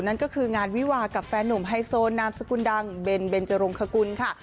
นั่นก็คืองานวิวากับแฟนหนุ่มไฮโซนามสกุลดังเบนเบนจรงคกุลค่ะ